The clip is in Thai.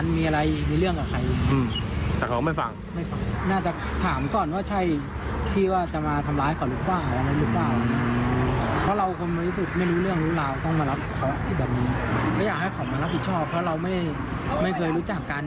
ไม่อยากให้เขามารับผิดชอบเพราะเราไม่เคยรู้จักกัน